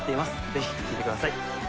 ぜひ聴いてください。